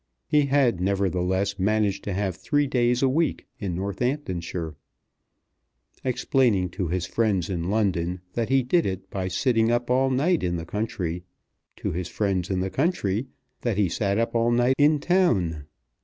He had, nevertheless, managed to have three days a week in Northamptonshire, explaining to his friends in London that he did it by sitting up all night in the country, to his friends in the country that he sat up all night in town.